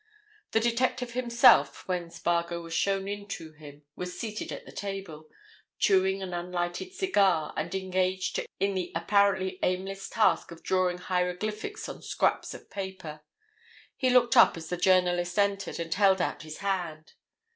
The detective himself, when Spargo was shown in to him, was seated at the table, chewing an unlighted cigar, and engaged in the apparently aimless task of drawing hieroglyphics on scraps of paper. He looked up as the journalist entered, and held out his hand.